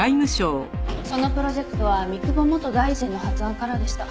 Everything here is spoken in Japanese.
そのプロジェクトは三窪元大臣の発案からでした。